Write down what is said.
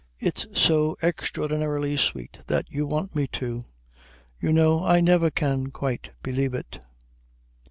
It's so extraordinarily sweet that you want me to. You know, I never can quite believe it."